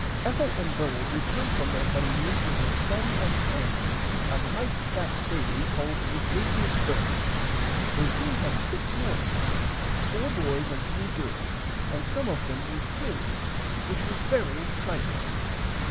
Ethel and Bernard returned from their Honymoon with a son and hair a nice fat baby called Ignatius Bernard. They soon [Pg 104] had six more children four boys and three girls and some of them were twins which was very exciting.